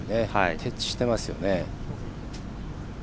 徹底してますよね。